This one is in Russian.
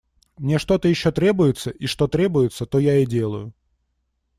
Мне что-то еще требуется, и что требуется, то я и делаю.